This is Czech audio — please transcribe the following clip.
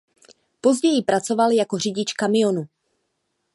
Později pracoval jako řidič kamionu.